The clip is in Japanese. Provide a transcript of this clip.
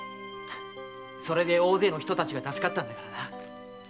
それで大勢の人たちが助かったんだからな。